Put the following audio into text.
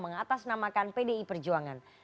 mengatasnamakan pdi perjuangan